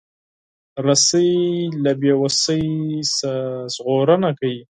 رسۍ له بیوسۍ نه ژغورنه کوي.